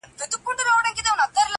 څوك به بېرته لوپټه د خور پر سر كي-